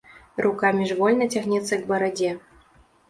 Рука міжвольна цягнецца к барадзе.